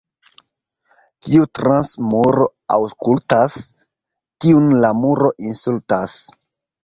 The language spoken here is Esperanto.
Kiu trans muro aŭskultas, tiun la muro insultas.